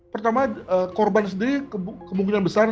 pertama korban sendiri kemungkinan besar